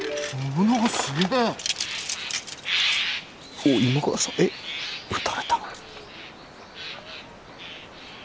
おっ今川さんえっ討たれたの？